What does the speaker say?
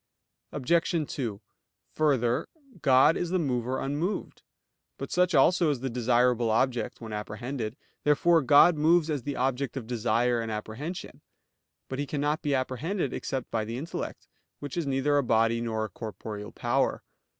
Obj. 2: Further, God is the mover unmoved. But such also is the desirable object when apprehended. Therefore God moves as the object of desire and apprehension. But He cannot be apprehended except by the intellect, which is neither a body nor a corporeal power.